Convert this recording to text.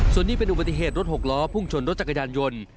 ส่วนนี้เป็นอุบัติเหตุรถหกล้อพุ่งชนรถจักรยานยนต์